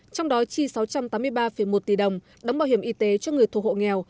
trong đó chi sáu trăm tám mươi ba một tỷ đồng đóng bảo hiểm y tế cho người thuộc hộ nghèo